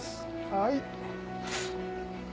はい。